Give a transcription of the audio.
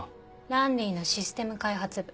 ランリーのシステム開発部。